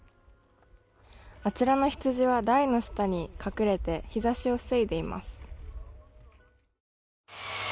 あちらのヒツジは台の下に隠れて日差しを防いでいます。